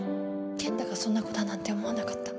健太がそんな子だなんて思わなかった